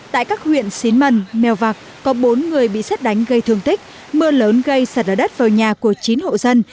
tại các huyện xín mần mèo vạc có bốn người bị xét đánh gây thương tích mưa lớn gây sạt lở đất vào nhà của chín hộ dân